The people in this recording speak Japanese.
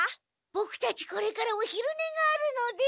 ボクたちこれからおひるねがあるので。